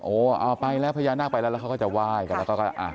โอ้ไปแล้วพญานาคไปแล้วเขาก็จะว่ายกัน